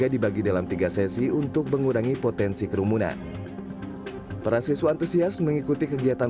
dibagi dalam tiga sesi untuk mengurangi potensi kerumunan para siswa antusias mengikuti kegiatan